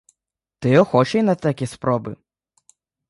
Ти охочий на такі спроби.